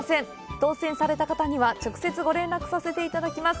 当せんされた方には、直接ご連絡させていただきます。